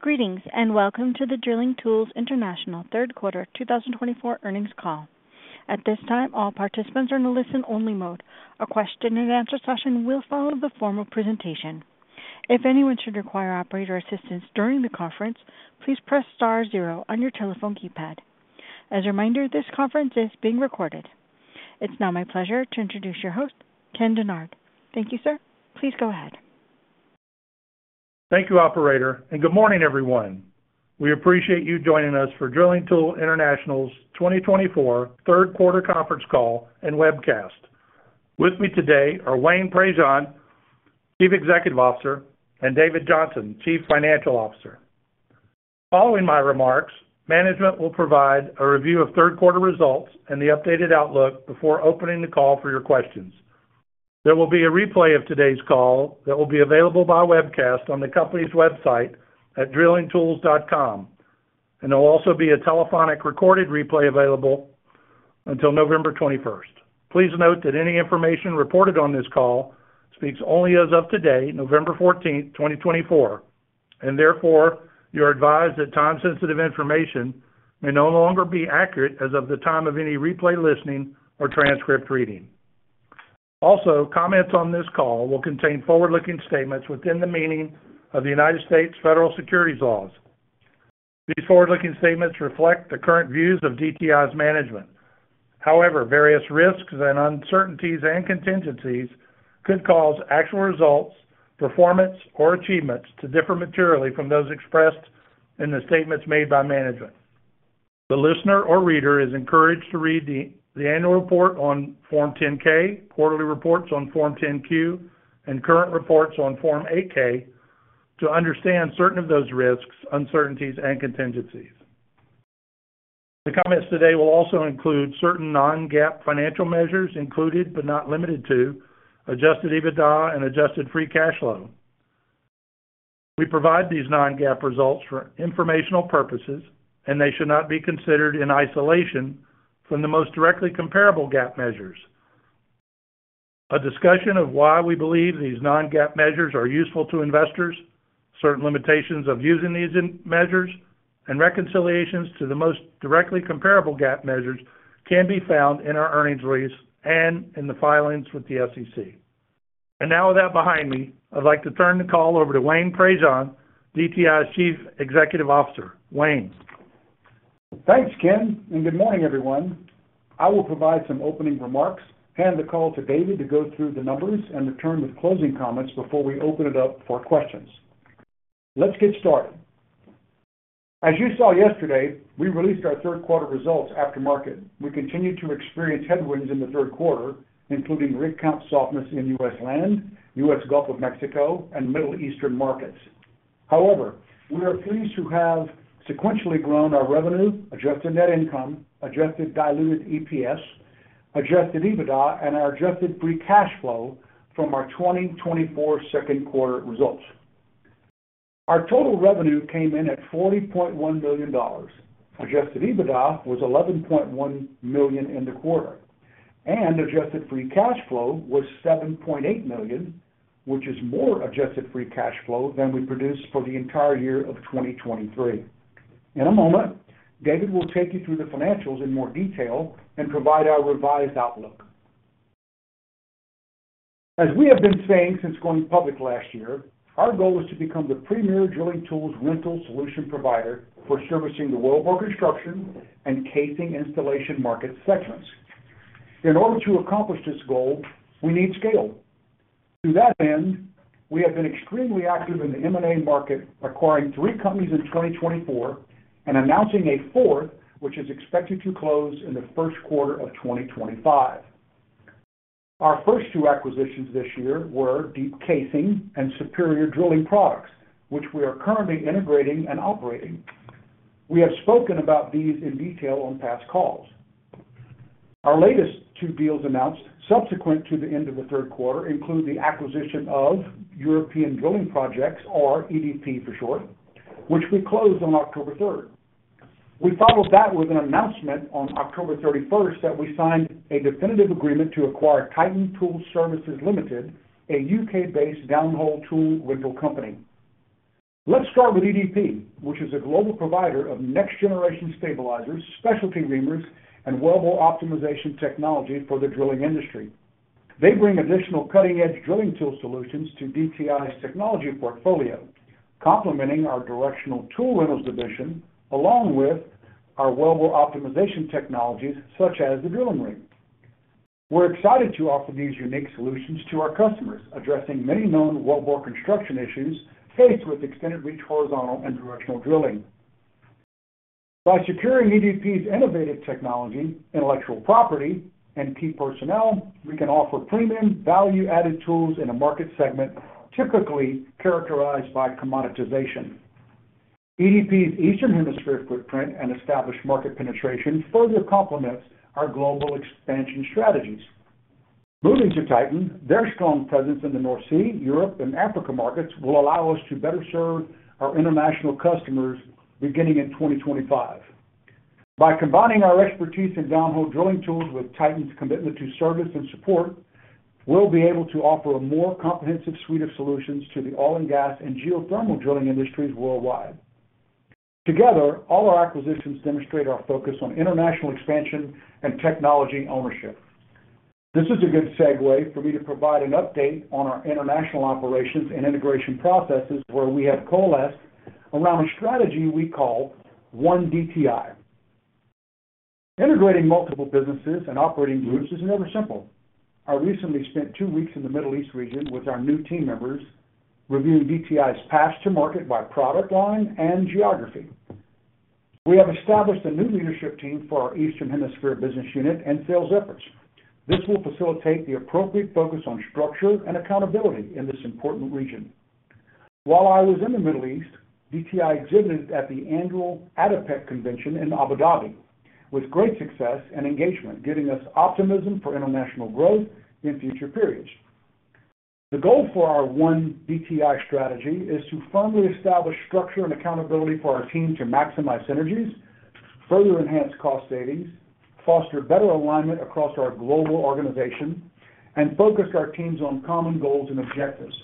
Greetings and welcome to the Drilling Tools International Third Quarter 2024 Earnings Call. At this time, all participants are in a listen-only mode. A question-and-answer session will follow the formal presentation. If anyone should require operator assistance during the conference, please press star zero on your telephone keypad. As a reminder, this conference is being recorded. It's now my pleasure to introduce your host, Ken Dennard. Thank you, sir. Please go ahead. Thank you, Operator, and good morning, everyone. We appreciate you joining us for Drilling Tools International's 2024 Third Quarter conference call and webcast. With me today are Wayne Prejean, Chief Executive Officer, and David Johnson, Chief Financial Officer. Following my remarks, management will provide a review of third quarter results and the updated outlook before opening the call for your questions. There will be a replay of today's call that will be available by webcast on the company's website at drillingtools.com, and there will also be a telephonic recorded replay available until November 21st. Please note that any information reported on this call speaks only as of today, November 14th, 2024, and therefore you are advised that time-sensitive information may no longer be accurate as of the time of any replay listening or transcript reading. Also, comments on this call will contain forward-looking statements within the meaning of the United States federal securities laws. These forward-looking statements reflect the current views of DTI's management. However, various risks and uncertainties and contingencies could cause actual results, performance, or achievements to differ materially from those expressed in the statements made by management. The listener or reader is encouraged to read the annual report on Form 10-K, quarterly reports on Form 10-Q, and current reports on Form 8-K to understand certain of those risks, uncertainties, and contingencies. The comments today will also include certain non-GAAP financial measures included, but not limited to, adjusted EBITDA and adjusted free cash flow. We provide these non-GAAP results for informational purposes, and they should not be considered in isolation from the most directly comparable GAAP measures. A discussion of why we believe these non-GAAP measures are useful to investors, certain limitations of using these measures, and reconciliations to the most directly comparable GAAP measures can be found in our earnings release and in the filings with the SEC, and now, with that behind me, I'd like to turn the call over to Wayne Prejean, DTI's Chief Executive Officer. Wayne. Thanks, Ken, and good morning, everyone. I will provide some opening remarks and hand the call to David to go through the numbers and return with closing comments before we open it up for questions. Let's get started. As you saw yesterday, we released our third quarter results after the market. We continue to experience headwinds in the third quarter, including rig count softness in U.S. land, U.S. Gulf of Mexico, and Middle Eastern markets. However, we are pleased to have sequentially grown our revenue, adjusted net income, adjusted diluted EPS, adjusted EBITDA, and our adjusted free cash flow from our 2024 second quarter results. Our total revenue came in at $40.1 million. Adjusted EBITDA was $11.1 million in the quarter, and adjusted free cash flow was $7.8 million, which is more adjusted free cash flow than we produced for the entire year of 2023. In a moment, David will take you through the financials in more detail and provide our revised outlook. As we have been saying since going public last year, our goal is to become the premier drilling tools rental solution provider for servicing the wellbore construction and casing installation market segments. In order to accomplish this goal, we need scale. To that end, we have been extremely active in the M&A market, acquiring three companies in 2024 and announcing a fourth, which is expected to close in the first quarter of 2025. Our first two acquisitions this year were Deep Casing and Superior Drilling Products, which we are currently integrating and operating. We have spoken about these in detail on past calls. Our latest two deals announced subsequent to the end of the third quarter include the acquisition of European Drilling Projects, or EDP for short, which we closed on October 3rd. We followed that with an announcement on October 31st that we signed a definitive agreement to acquire Titan Tools Services Ltd, a U.K.-based downhole tool rental company. Let's start with EDP, which is a global provider of next-generation stabilizers, specialty reamers, and wellbore optimization technology for the drilling industry. They bring additional cutting-edge drilling tool solutions to DTI's technology portfolio, complementing our directional tool rentals division, along with our wellbore optimization technologies such as the Drill-N-Ream. We're excited to offer these unique solutions to our customers, addressing many known wellbore construction issues faced with extended reach, horizontal, and directional drilling. By securing EDP's innovative technology, intellectual property, and key personnel, we can offer premium value-added tools in a market segment typically characterized by commoditization. EDP's Eastern Hemisphere footprint and established market penetration further complements our global expansion strategies. Moving to Titan, their strong presence in the North Sea, Europe, and Africa markets will allow us to better serve our international customers beginning in 2025. By combining our expertise in downhole drilling tools with Titan's commitment to service and support, we'll be able to offer a more comprehensive suite of solutions to the oil and gas and geothermal drilling industries worldwide. Together, all our acquisitions demonstrate our focus on international expansion and technology ownership. This is a good segue for me to provide an update on our international operations and integration processes where we have coalesced around a strategy we call One DTI. Integrating multiple businesses and operating groups is never simple. I recently spent two weeks in the Middle East region with our new team members, reviewing DTI's path to market by product line and geography. We have established a new leadership team for our Eastern Hemisphere business unit and sales efforts. This will facilitate the appropriate focus on structure and accountability in this important region. While I was in the Middle East, DTI exhibited at the annual ADIPEC convention in Abu Dhabi with great success and engagement, giving us optimism for international growth in future periods. The goal for our One DTI strategy is to firmly establish structure and accountability for our team to maximize synergies, further enhance cost savings, foster better alignment across our global organization, and focus our teams on common goals and objectives.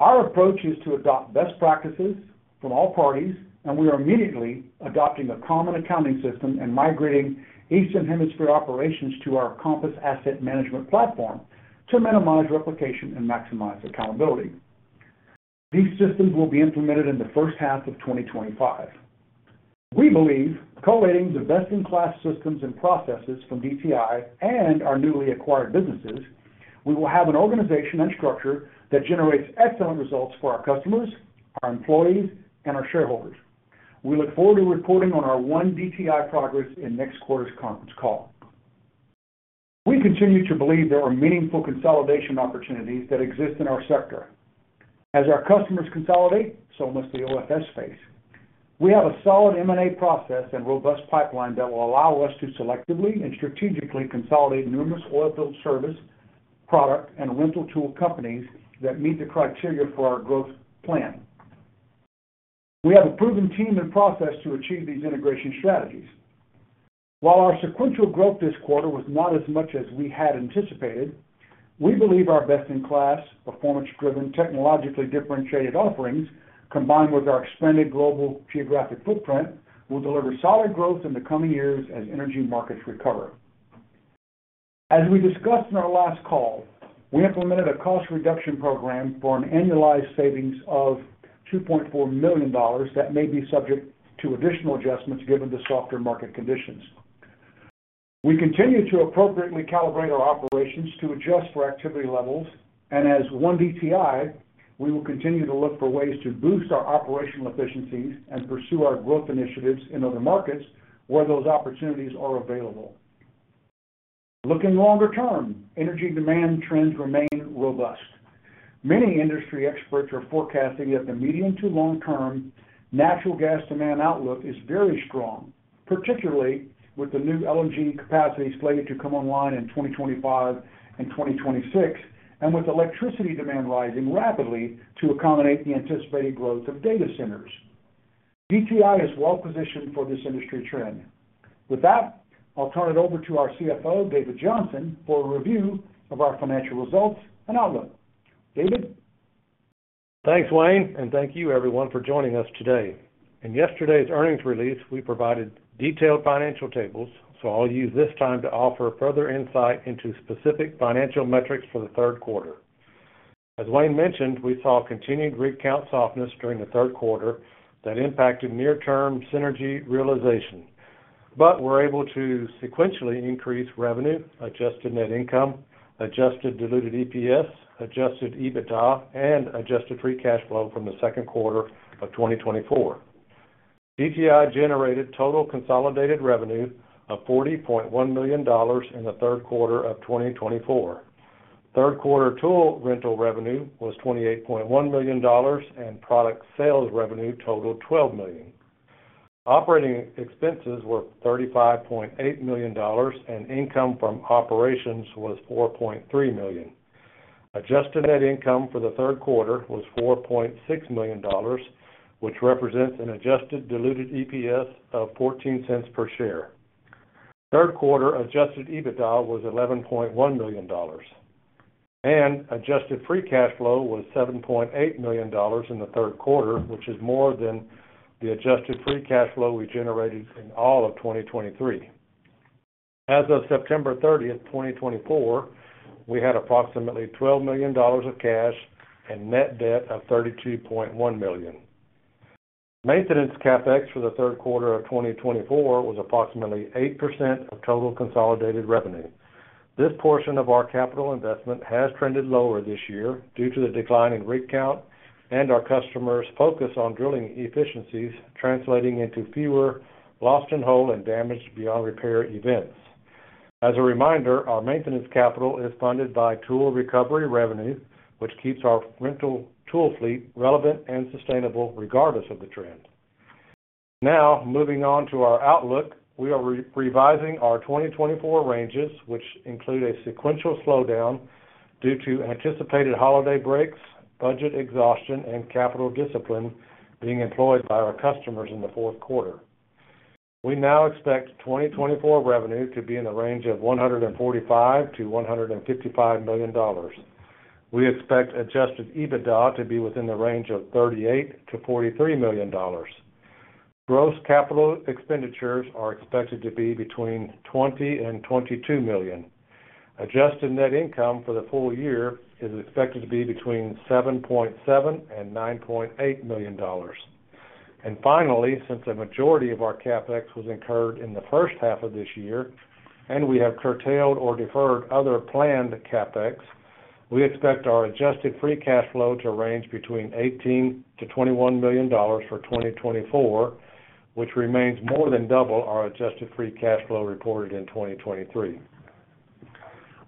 Our approach is to adopt best practices from all parties, and we are immediately adopting a common accounting system and migrating Eastern Hemisphere operations to our Compass Asset Management platform to minimize replication and maximize accountability. These systems will be implemented in the first half of 2025. We believe collating the best-in-class systems and processes from DTI and our newly acquired businesses. We will have an organization and structure that generates excellent results for our customers, our employees, and our shareholders. We look forward to reporting on our One DTI progress in next quarter's conference call. We continue to believe there are meaningful consolidation opportunities that exist in our sector. As our customers consolidate, so must the OFS space. We have a solid M&A process and robust pipeline that will allow us to selectively and strategically consolidate numerous oilfield service product and rental tool companies that meet the criteria for our growth plan. We have a proven team and process to achieve these integration strategies. While our sequential growth this quarter was not as much as we had anticipated, we believe our best-in-class, performance-driven, technologically differentiated offerings, combined with our expanded global geographic footprint, will deliver solid growth in the coming years as energy markets recover. As we discussed in our last call, we implemented a cost reduction program for an annualized savings of $2.4 million that may be subject to additional adjustments given the softer market conditions. We continue to appropriately calibrate our operations to adjust for activity levels, and as One DTI, we will continue to look for ways to boost our operational efficiencies and pursue our growth initiatives in other markets where those opportunities are available. Looking longer term, energy demand trends remain robust. Many industry experts are forecasting that the medium to long-term natural gas demand outlook is very strong, particularly with the new LNG capacity slated to come online in 2025 and 2026, and with electricity demand rising rapidly to accommodate the anticipated growth of data centers. DTI is well positioned for this industry trend. With that, I'll turn it over to our CFO, David Johnson, for a review of our financial results and outlook. David. Thanks, Wayne, and thank you, everyone, for joining us today. In yesterday's earnings release, we provided detailed financial tables, so I'll use this time to offer further insight into specific financial metrics for the third quarter. As Wayne mentioned, we saw continued rig count softness during the third quarter that impacted near-term synergy realization, but were able to sequentially increase revenue, adjusted net income, adjusted diluted EPS, adjusted EBITDA, and adjusted free cash flow from the second quarter of 2024. DTI generated total consolidated revenue of $40.1 million in the third quarter of 2024. Third quarter tool rental revenue was $28.1 million, and product sales revenue totaled $12 million. Operating expenses were $35.8 million, and income from operations was $4.3 million. Adjusted net income for the third quarter was $4.6 million, which represents an adjusted diluted EPS of $0.14 per share. Third quarter adjusted EBITDA was $11.1 million, and adjusted free cash flow was $7.8 million in the third quarter, which is more than the adjusted free cash flow we generated in all of 2023. As of September 30th, 2024, we had approximately $12 million of cash and net debt of $32.1 million. Maintenance CapEx for the third quarter of 2024 was approximately 8% of total consolidated revenue. This portion of our capital investment has trended lower this year due to the decline in rig count and our customers' focus on drilling efficiencies, translating into fewer lost in hole, damaged beyond repair events. As a reminder, our maintenance capital is funded by tool recovery revenue, which keeps our rental tool fleet relevant and sustainable regardless of the trend. Now, moving on to our outlook, we are revising our 2024 ranges, which include a sequential slowdown due to anticipated holiday breaks, budget exhaustion, and capital discipline being employed by our customers in the fourth quarter. We now expect 2024 revenue to be in the range of $145-$155 million. We expect adjusted EBITDA to be within the range of $38-$43 million. Gross capital expenditures are expected to be between $20 and $22 million. Adjusted net income for the full year is expected to be between $7.7 and $9.8 million. And finally, since a majority of our CapEx was incurred in the first half of this year and we have curtailed or deferred other planned CapEx, we expect our adjusted free cash flow to range between $18 to $21 million for 2024, which remains more than double our adjusted free cash flow reported in 2023.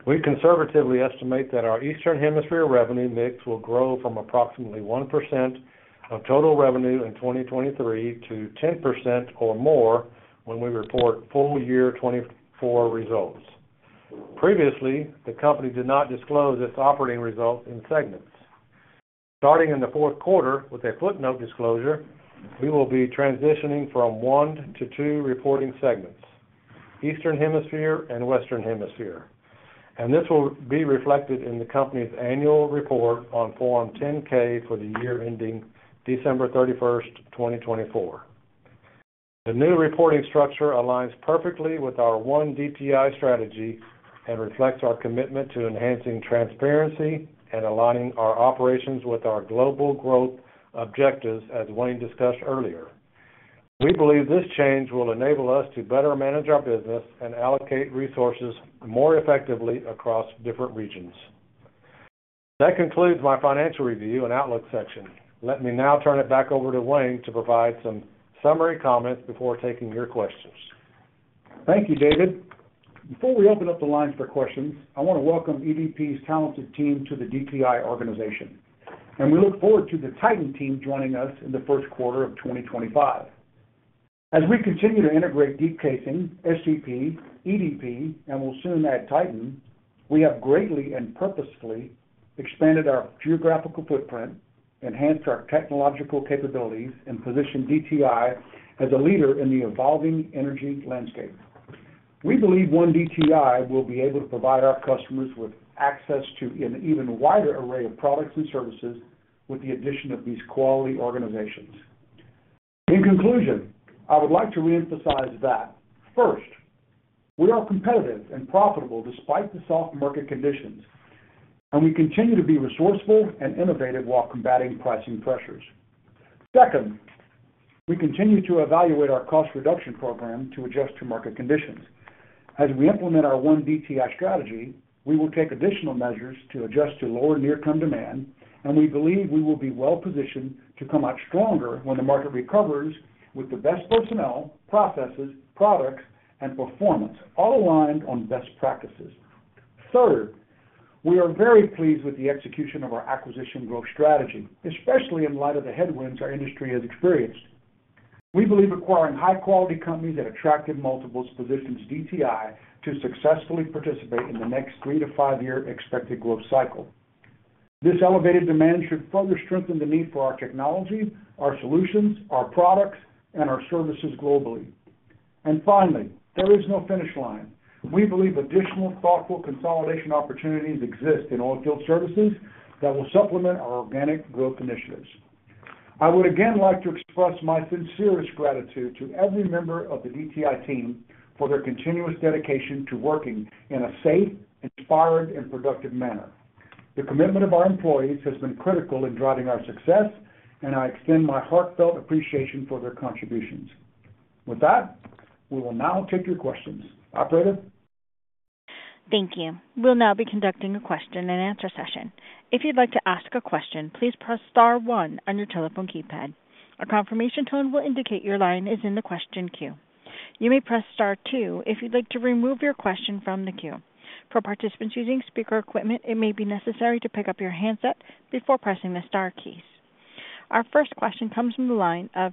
We conservatively estimate that our Eastern Hemisphere revenue mix will grow from approximately 1% of total revenue in 2023 to 10% or more when we report full year 2024 results. Previously, the company did not disclose its operating results in segments. Starting in the fourth quarter with a footnote disclosure, we will be transitioning from one to two reporting segments: Eastern Hemisphere and Western Hemisphere, and this will be reflected in the company's annual report on Form 10-K for the year ending December 31st, 2024. The new reporting structure aligns perfectly with our One DTI strategy and reflects our commitment to enhancing transparency and aligning our operations with our global growth objectives, as Wayne discussed earlier. We believe this change will enable us to better manage our business and allocate resources more effectively across different regions. That concludes my financial review and outlook section. Let me now turn it back over to Wayne to provide some summary comments before taking your questions. Thank you, David. Before we open up the lines for questions, I want to welcome EDP's talented team to the DTI organization, and we look forward to the Titan team joining us in the first quarter of 2025. As we continue to integrate Deep Casing, SDP, EDP, and we'll soon add Titan, we have greatly and purposefully expanded our geographical footprint, enhanced our technological capabilities, and positioned DTI as a leader in the evolving energy landscape. We believe One DTI will be able to provide our customers with access to an even wider array of products and services with the addition of these quality organizations. In conclusion, I would like to reemphasize that, first, we are competitive and profitable despite the soft market conditions, and we continue to be resourceful and innovative while combating pricing pressures. Second, we continue to evaluate our cost reduction program to adjust to market conditions. As we implement our One DTI strategy, we will take additional measures to adjust to lower near-term demand, and we believe we will be well positioned to come out stronger when the market recovers with the best personnel, processes, products, and performance, all aligned on best practices. Third, we are very pleased with the execution of our acquisition growth strategy, especially in light of the headwinds our industry has experienced. We believe acquiring high-quality companies at attractive multiples positions DTI to successfully participate in the next three- to five-year expected growth cycle. This elevated demand should further strengthen the need for our technology, our solutions, our products, and our services globally. And finally, there is no finish line. We believe additional thoughtful consolidation opportunities exist in oilfield services that will supplement our organic growth initiatives. I would again like to express my sincerest gratitude to every member of the DTI team for their continuous dedication to working in a safe, inspired, and productive manner. The commitment of our employees has been critical in driving our success, and I extend my heartfelt appreciation for their contributions. With that, we will now take your questions. Operator. Thank you. We'll now be conducting a question-and-answer session. If you'd like to ask a question, please press star one on your telephone keypad. A confirmation tone will indicate your line is in the question queue. You may press star two if you'd like to remove your question from the queue. For participants using speaker equipment, it may be necessary to pick up your handset before pressing the star keys. Our first question comes from the line of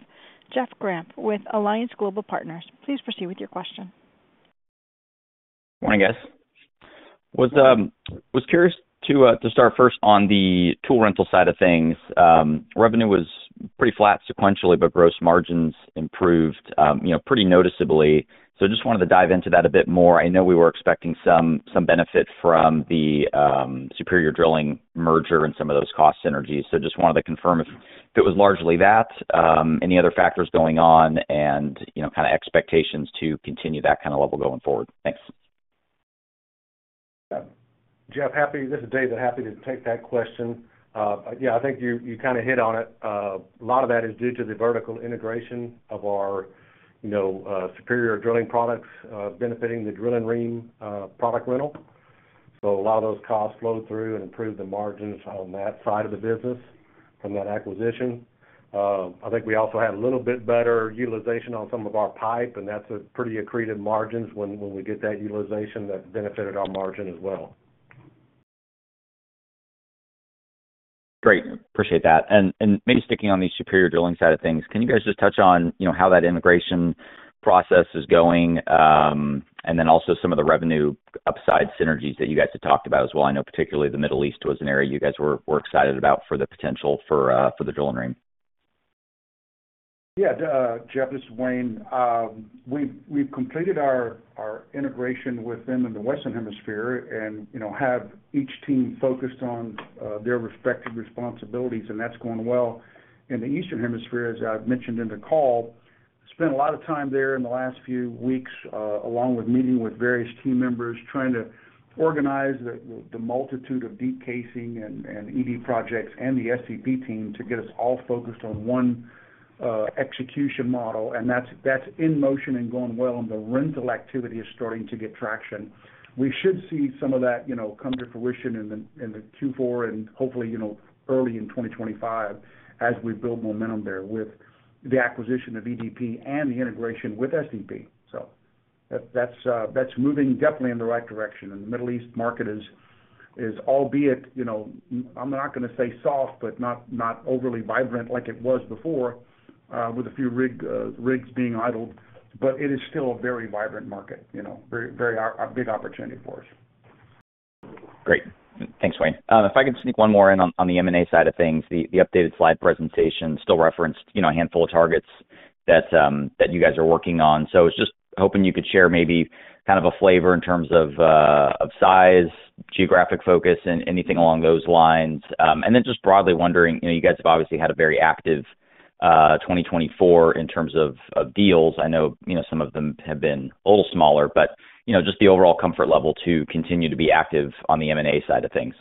Jeff Grampp with Alliance Global Partners. Please proceed with your question. Morning, guys. Was curious to start first on the tool rental side of things. Revenue was pretty flat sequentially, but gross margins improved pretty noticeably. So just wanted to dive into that a bit more. I know we were expecting some benefit from the Superior Drilling merger and some of those cost synergies. So just wanted to confirm if it was largely that, any other factors going on, and kind of expectations to continue that kind of level going forward. Thanks. Jeff, this is David. Happy to take that question. Yeah, I think you kind of hit on it. A lot of that is due to the vertical integration of our Superior Drilling Products benefiting the Drill-N-Ream product rental. So a lot of those costs flowed through and improved the margins on that side of the business from that acquisition. I think we also had a little bit better utilization on some of our pipe, and that's a pretty accretive margin when we get that utilization that benefited our margin as well. Great. Appreciate that and maybe sticking on the Superior Drilling side of things, can you guys just touch on how that integration process is going and then also some of the revenue upside synergies that you guys had talked about as well? I know particularly the Middle East was an area you guys were excited about for the potential for the Drill-N-Ream. Yeah, Jeff, this is Wayne. We've completed our integration with them in the Western Hemisphere and have each team focused on their respective responsibilities, and that's going well. In the Eastern Hemisphere, as I've mentioned in the call, spent a lot of time there in the last few weeks along with meeting with various team members trying to organize the multitude of Deep Casing and EDP projects and the SDP team to get us all focused on one execution model, and that's in motion and going well, and the rental activity is starting to get traction. We should see some of that come to fruition in the Q4 and hopefully early in 2025 as we build momentum there with the acquisition of EDP and the integration with SDP, so that's moving definitely in the right direction. And the Middle East market is, albeit, I'm not going to say soft, but not overly vibrant like it was before, with a few rigs being idled, but it is still a very vibrant market, a big opportunity for us. Great. Thanks, Wayne. If I could sneak one more in on the M&A side of things, the updated slide presentation still referenced a handful of targets that you guys are working on. So I was just hoping you could share maybe kind of a flavor in terms of size, geographic focus, and anything along those lines. And then just broadly wondering, you guys have obviously had a very active 2024 in terms of deals. I know some of them have been a little smaller, but just the overall comfort level to continue to be active on the M&A side of things.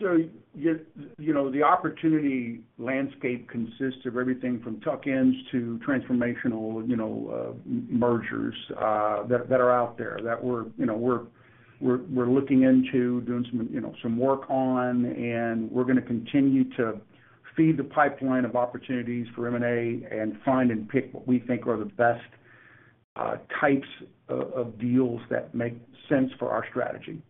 The opportunity landscape consists of everything from tuck-ins to transformational mergers that are out there that we're looking into, doing some work on, and we're going to continue to feed the pipeline of opportunities for M&A and find and pick what we think are the best types of deals that make sense for our strategy.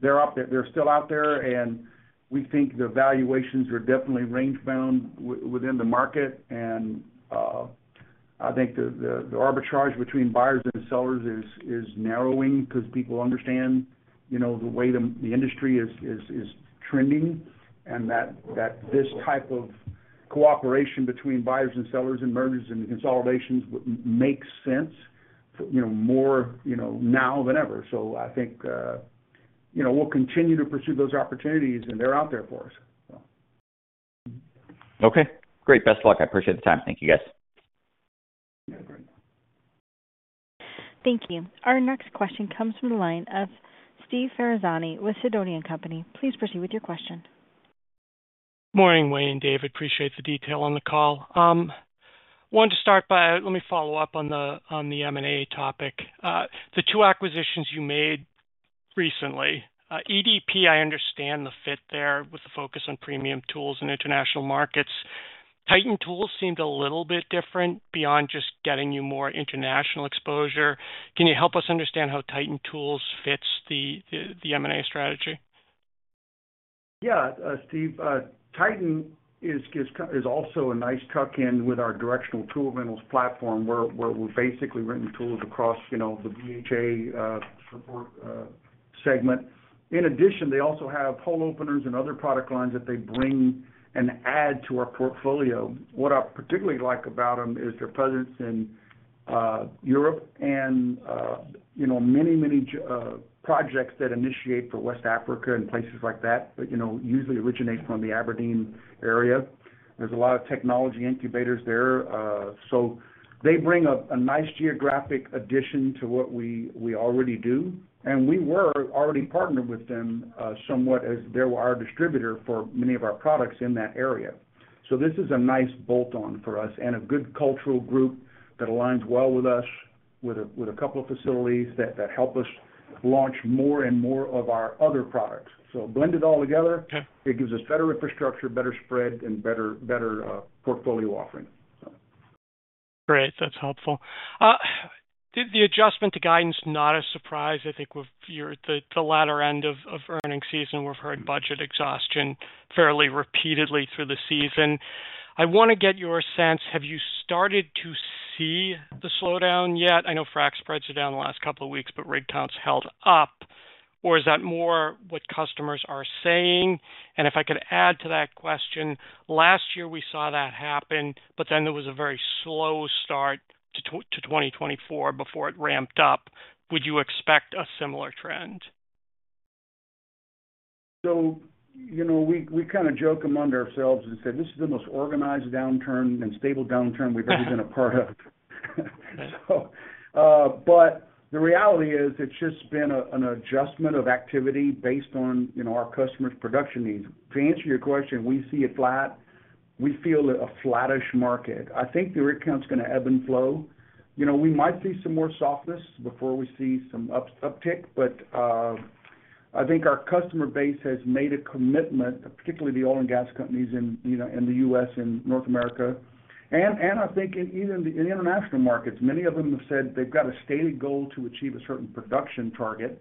They're still out there, and we think the valuations are definitely range-bound within the market. The arbitrage between buyers and sellers is narrowing because people understand the way the industry is trending and that this type of cooperation between buyers and sellers and mergers and consolidations makes sense more now than ever. We'll continue to pursue those opportunities, and they're out there for us. Okay. Great. Best of luck. I appreciate the time. Thank you, guys. Yeah, great. Thank you. Our next question comes from the line of Steve Ferazani with Sidoti & Company. Please proceed with your question. Morning, Wayne and David. I appreciate the detail on the call. I wanted to start by, let me follow up on the M&A topic. The two acquisitions you made recently, EDP, I understand the fit there with the focus on premium tools and international markets. Titan Tools seemed a little bit different beyond just getting you more international exposure. Can you help us understand how Titan Tools fits the M&A strategy? Yeah, Steve, Titan is also a nice tuck-in with our directional tool rentals platform where we've basically rented tools across the BHA support segment. In addition, they also have hole openers and other product lines that they bring and add to our portfolio. What I particularly like about them is their presence in Europe and many, many projects that initiate for West Africa and places like that, but usually originate from the Aberdeen area. There's a lot of technology incubators there. So they bring a nice geographic addition to what we already do. And we were already partnered with them somewhat as they were our distributor for many of our products in that area. So this is a nice bolt-on for us and a good cultural fit that aligns well with us with a couple of facilities that help us launch more and more of our other products. So blended all together, it gives us better infrastructure, better spread, and better portfolio offering. Great. That's helpful. Did the adjustment to guidance not a surprise? I think the latter end of earnings season, we've heard budget exhaustion fairly repeatedly through the season. I want to get your sense. Have you started to see the slowdown yet? I know frac spreads are down the last couple of weeks, but rig counts held up. Or is that more what customers are saying? And if I could add to that question, last year we saw that happen, but then there was a very slow start to 2024 before it ramped up. Would you expect a similar trend? So we kind of joke among ourselves and say, "This is the most organized downturn and stable downturn we've ever been a part of." But the reality is it's just been an adjustment of activity based on our customers' production needs. To answer your question, we see it flat. We feel a flattish market. I think the rig count's going to ebb and flow. We might see some more softness before we see some uptick, but I think our customer base has made a commitment, particularly the oil and gas companies in the U.S. and North America. And I think in international markets, many of them have said they've got a stated goal to achieve a certain production target.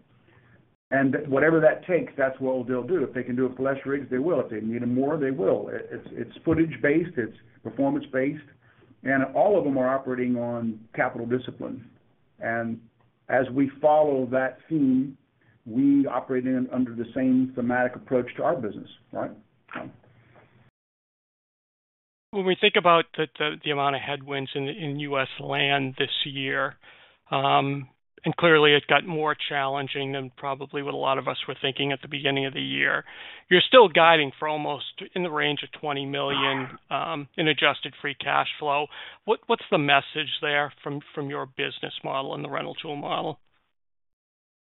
And whatever that takes, that's what they'll do. If they can do it for less rigs, they will. If they need more, they will. It's footage-based. It's performance-based. And all of them are operating on capital discipline. And as we follow that theme, we operate under the same thematic approach to our business, right? When we think about the amount of headwinds in U.S. land this year, and clearly it got more challenging than probably what a lot of us were thinking at the beginning of the year, you're still guiding for almost in the range of $20 million in adjusted free cash flow. What's the message there from your business model and the rental tool model?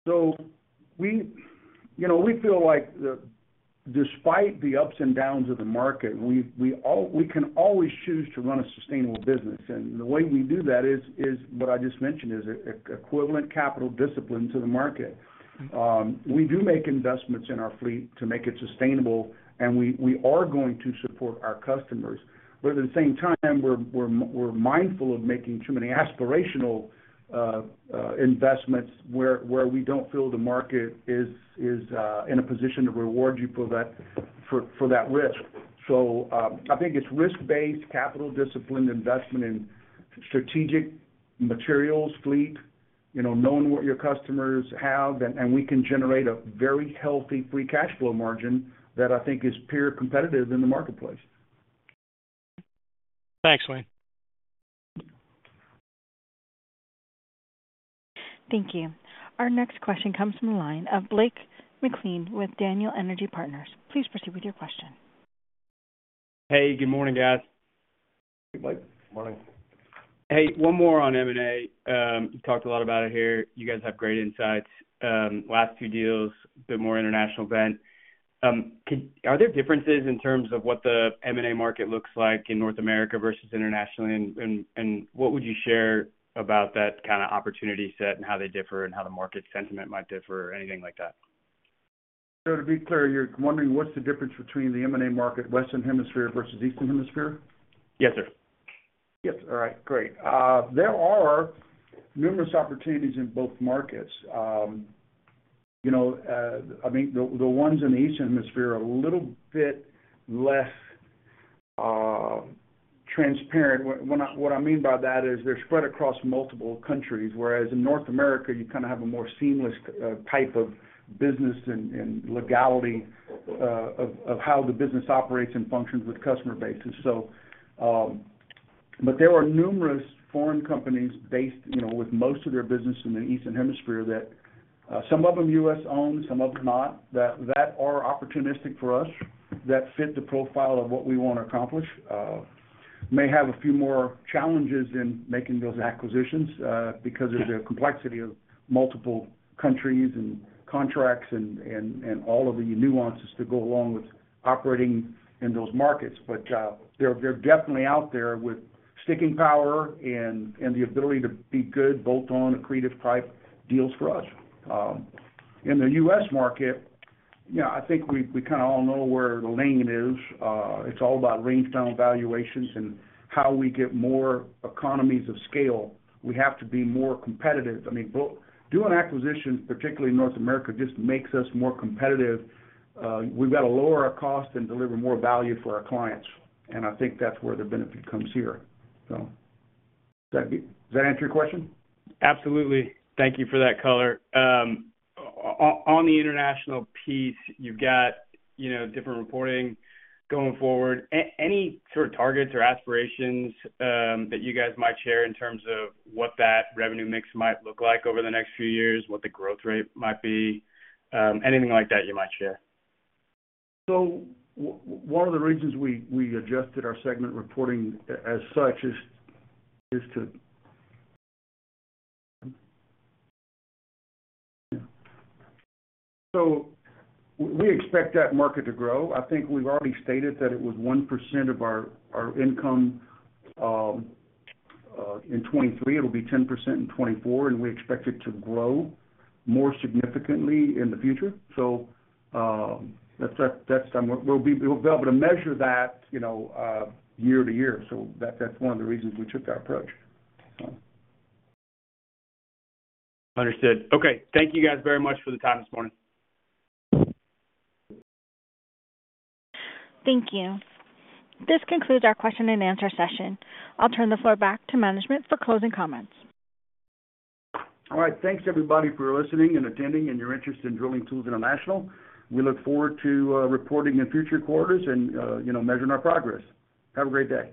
So we feel like despite the ups and downs of the market, we can always choose to run a sustainable business. And the way we do that is what I just mentioned is equivalent capital discipline to the market. We do make investments in our fleet to make it sustainable, and we are going to support our customers. But at the same time, we're mindful of making too many aspirational investments where we don't feel the market is in a position to reward you for that risk. So I think it's risk-based, capital discipline, investment in strategic materials, fleet, knowing what your customers have, and we can generate a very healthy free cash flow margin that I think is peer competitive in the marketplace. Thanks, Wayne. Thank you. Our next question comes from the line of Blake McLean with Daniel Energy Partners. Please proceed with your question. Hey, good morning, guys. Hey, Blake. Good morning. Hey, one more on M&A. You talked a lot about it here. You guys have great insights. Last two deals, a bit more international bent. Are there differences in terms of what the M&A market looks like in North America versus internationally? And what would you share about that kind of opportunity set and how they differ and how the market sentiment might differ or anything like that? So to be clear, you're wondering what's the difference between the M&A market, Western Hemisphere versus Eastern Hemisphere? Yes, sir. Yes. All right. Great. There are numerous opportunities in both markets. I mean, the ones in the Eastern Hemisphere are a little bit less transparent. What I mean by that is they're spread across multiple countries, whereas in North America, you kind of have a more seamless type of business and legality of how the business operates and functions with customer basis. But there are numerous foreign companies based with most of their business in the Eastern Hemisphere that some of them U.S.-owned, some of them not, that are opportunistic for us that fit the profile of what we want to accomplish. May have a few more challenges in making those acquisitions because of the complexity of multiple countries and contracts and all of the nuances to go along with operating in those markets. But they're definitely out there with sticking power and the ability to be good, bolt-on, accretive-type deals for us. In the U.S. market, I think we kind of all know where the lane is. It's all about range-bound valuations and how we get more economies of scale. We have to be more competitive. I mean, doing acquisitions, particularly in North America, just makes us more competitive. We've got to lower our costs and deliver more value for our clients. And I think that's where the benefit comes here. So does that answer your question? Absolutely. Thank you for that, color. On the international piece, you've got different reporting going forward. Any sort of targets or aspirations that you guys might share in terms of what that revenue mix might look like over the next few years, what the growth rate might be? Anything like that you might share? One of the reasons we adjusted our segment reporting as such is to we expect that market to grow. I think we've already stated that it was 1% of our income in 2023. It'll be 10% in 2024, and we expect it to grow more significantly in the future. We'll be able to measure that year to year. That's one of the reasons we took that approach. Understood. Okay. Thank you, guys, very much for the time this morning. Thank you. This concludes our question and answer session. I'll turn the floor back to management for closing comments. All right. Thanks, everybody, for listening and attending and your interest in Drilling Tools International. We look forward to reporting in future quarters and measuring our progress. Have a great day.